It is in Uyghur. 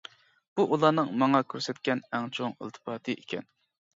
بۇ ئۇلارنىڭ ماڭا كۆرسەتكەن ئەڭ چوڭ ئىلتىپاتى ئىكەن.